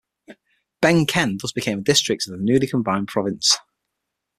Bang Khen thus became a district of the newly combined province.